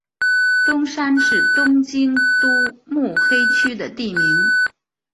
东山是东京都目黑区的地名。